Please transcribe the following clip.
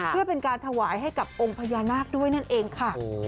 เพื่อเป็นการถวายให้กับองค์พญานาคด้วยนั่นเองค่ะ